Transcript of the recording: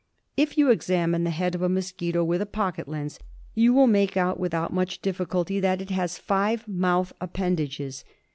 If you examine the head of a mosquito with a pocket lens you will make out without much difficulty that it has five mouth appendages.